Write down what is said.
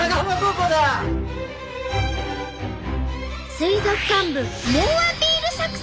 水族館部猛アピール作戦！